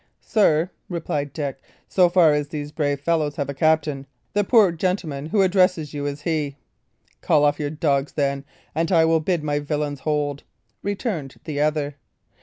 "Sir," replied Dick, "so far as these brave fellows have a captain, the poor gentleman who here addresses you is he." "Call off your dogs, then, and I will bid my villains hold," returned the other.